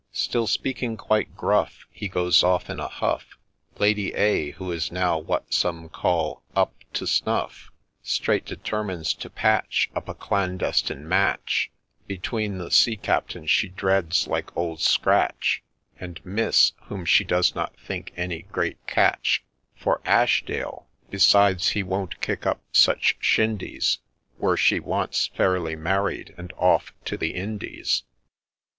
Still speaking quite gruff, He goes off in a huff ; Lady A., who is now what some call ' up to snuff,' Straight determines to patch Up a clandestine match Between the Sea Captain she dreads like Old Scratch, And Miss, — whom she does not think any great catch For Ashdale ;— besides, he won't kick up such shindies Were she once fairly married and off to the Indies.